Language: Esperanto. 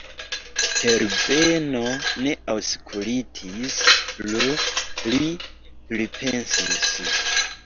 Herbeno ne aŭskultis plu; li pripensis.